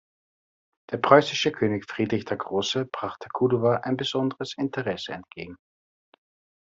Der preußische König Friedrich der Große brachte Kudowa ein besonderes Interesse entgegen.